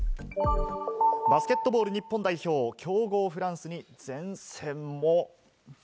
バスケットボール日本代表、強豪フランスに善戦も。